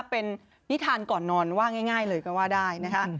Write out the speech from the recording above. เป็นนิทานก่อนนอนว่าง่ายเลยก็ว่าได้นะคะ